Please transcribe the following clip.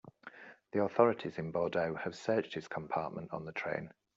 The authorities in Bordeaux have searched his compartment on the train.